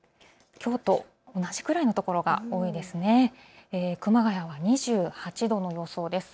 きょうと同じくらいの所が多いですね。